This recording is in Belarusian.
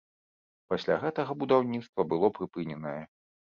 Пасля гэтага будаўніцтва было прыпыненае.